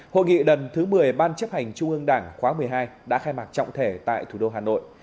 hội nghị lần thứ một mươi ban chấp hành trung ương đảng khóa một mươi hai đã khai mạc trọng thể tại thủ đô hà nội